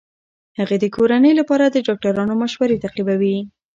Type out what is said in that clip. هغه د کورنۍ لپاره د ډاکټرانو مشورې تعقیبوي.